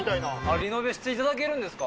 リノベしていただけるんですか？